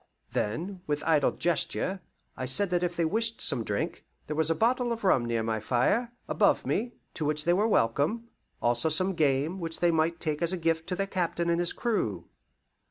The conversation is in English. Then, with idle gesture, I said that if they wished some drink, there was a bottle of rum near my fire, above me, to which they were welcome; also some game, which they might take as a gift to their captain and his crew.